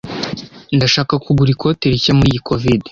Ndashaka kugura ikote rishya muri iyi covid